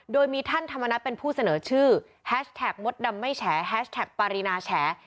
โดยมีท่านธรรมนัฐเป็นผู้เสนอชื่อแฮชแท็กมดดำไม่แฉแฮชแท็กปารีนาแฉ